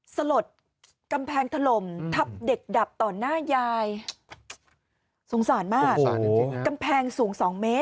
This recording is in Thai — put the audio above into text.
สลดกำแพงถล่มทับเด็กดับต่อหน้ายายสงสารมากกำแพงสูง๒เมตร